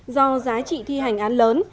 do giá trị thi hành án lớn